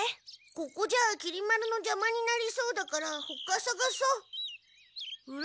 ここじゃきり丸のじゃまになりそうだからほかさがそう。